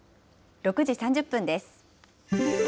６時３０分です。